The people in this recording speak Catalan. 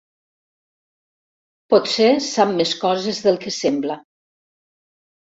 Potser sap més coses del que sembla.